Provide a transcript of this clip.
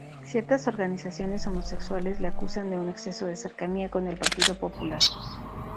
Ciertas organizaciones homosexuales le acusan de un exceso de cercanía con el Partido Popular.